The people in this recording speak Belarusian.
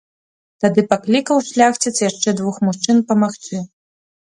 Тады паклікаў шляхціц яшчэ двух мужчын памагчы.